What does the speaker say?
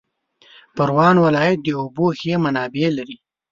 پروان ولایت د اوبو ښې منابع لري